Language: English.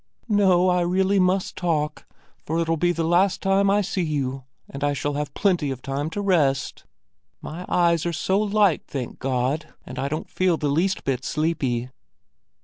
"No, I really must talk, for it'll be the last time I see you and I shall have plenty of time to rest. My eyes are so light thank God, and I don't feel the least bit sleepy."